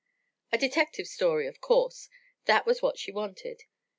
A detective story, of course, that was what she wanted.